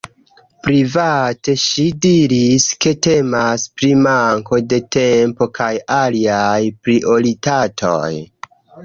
Private ŝi diris ke temas pri manko de tempo kaj aliaj prioritatoj.